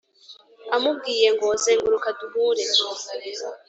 amubwiye ngo zenguruka duhure